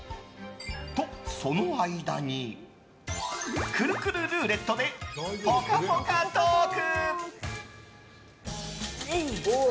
と、その間にくるくるルーレットでぽかぽかトーク！